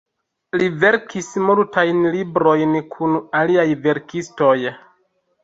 Li verkis multajn librojn kun aliaj verkistoj.